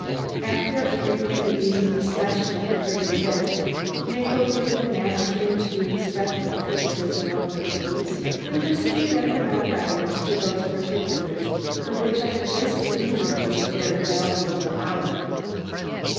After a free and easy discussion of the great event, mingled with the naturally to be expected criticism of the police, we proceeded under my guidance to those particulars for which I had risked losing this very valuable hour.